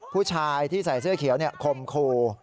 ผู้ชายที่ใส่เสื้อเขียวคมคู่